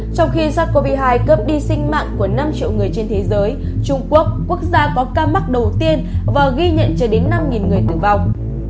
trong khi sars cov hai cướp đi sinh mạng của năm triệu người trên thế giới trung quốc quốc gia có ca mắc đầu tiên và ghi nhận chưa đến năm người tử vong